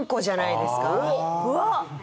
うわっ！